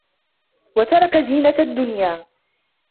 وَتَرَكَ زِينَةَ الدُّنْيَا